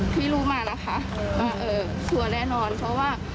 พี่รู้มาแล้วค่ะว่าเออชัวร์แน่นอนเพราะว่า